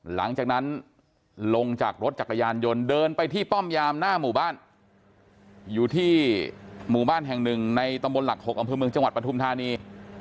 หลังจากนั้นลงจากรถจักรยานยนต์เดินไปที่ป้อมยามหน้าหมู่บ้านอยู่ที่หมู่บ้านแห่งหนึ่งในตำบลหลัก๖อำเภอเมืองจังหวัดปฐุมธานี